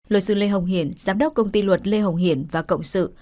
lội sư lê hồng hiển giám đốc công ty luật lê hồng hiển và cộng sự